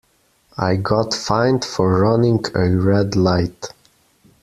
I got fined for running a red light.